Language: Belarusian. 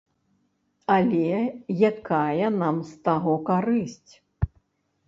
Але якая нам з таго карысць?